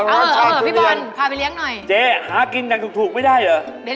เออรสชาติทุเรียน